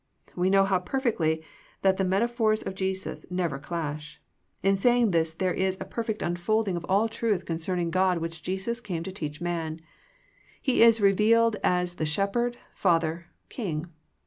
" We know perfectly that the meta phors of Jesus never clash. In this saying there THE PEEPAEATION FOR PEAYER 51 is a perfect unfolding of all the truth concerning God which Jesus came to teach man. He is re vealed as the Shepherd, Father, King.